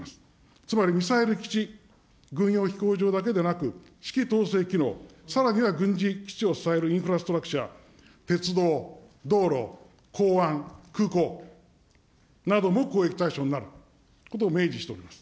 つまりミサイル基地、軍用飛行場だけでなく、指揮統制機能、さらには軍事基地を支えるインフラストラクチャー、鉄道、道路、港湾、空港なども攻撃対象になることを明記しております。